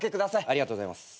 ありがとうございます。